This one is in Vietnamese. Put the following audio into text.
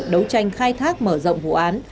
đấu tranh khai thác mở rộng vụ án